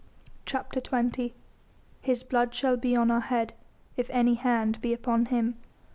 CHAPTER XX "His blood shall be on our head, if any hand be upon him."